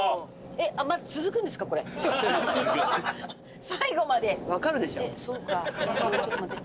えっとちょっと待って。